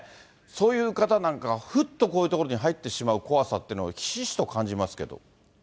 そういう方なんかは、ふっとこういうところに入ってしまう怖さっていうのは、ひしひしと感じますけど。